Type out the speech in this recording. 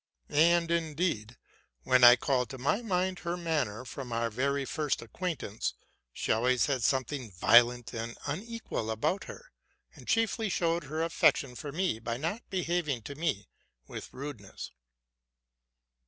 '' And, indeed, when I called to my mind her manner from our very first acquaint ance, she always had something violent and unequal about her, and chiefly showed her affection for me by not behaving to me with rudeness.